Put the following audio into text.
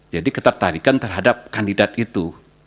jadi ketertarikan terhadap kandidat itu